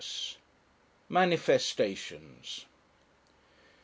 MANIFESTATIONS.